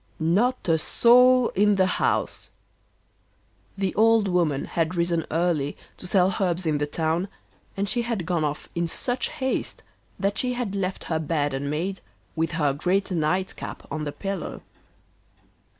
Not a soul in the house. The old woman had risen early to sell herbs in the town, and she had gone off in such haste that she had left her bed unmade, with her great night cap on the pillow.